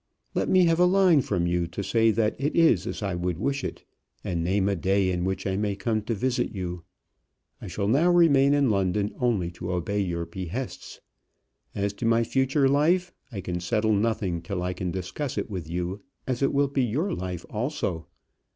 Let me have a line from you to say that it is as I would wish it, and name a day in which I may come to visit you. I shall now remain in London only to obey your behests. As to my future life, I can settle nothing till I can discuss it with you, as it will be your life also.